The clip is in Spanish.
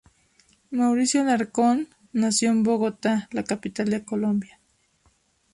Mauricio Alarcón nació en Bogotá, la capital de Colombia.